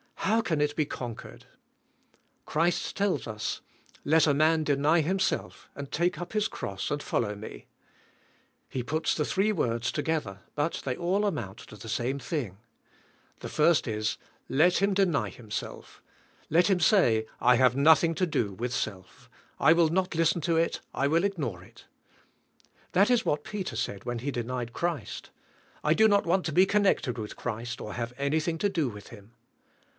How can it be conquered? Christ tells us: '' Let a man deny himself and take up his cross and follow me." He puts the three words tog ether, but they all amount to the same thing. The first is, let him deny himself. Let him say, "I have nothing to do with self. I will not listen to it. I will ig nore it." That is what Peter said when he denied Christ, " I do not want to be connected with Christ or have anything to do with Him.